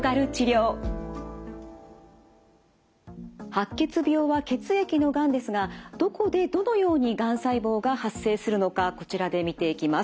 白血病は血液のがんですがどこでどのようにがん細胞が発生するのかこちらで見ていきます。